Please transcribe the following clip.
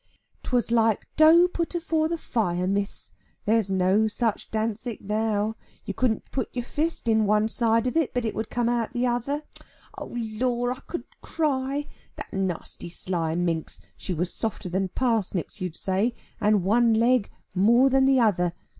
"'Twas like dough put afore the fire, Miss. There's no such Dantzic now. You couldn't put your fist into one side of it, but out it would come the other. Oh Lor, I could cry; that nasty sly minx, she was softer than parsnips, you'd say, and one leg more than the other.